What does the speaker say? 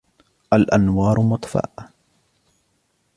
الأنوار مطفاة.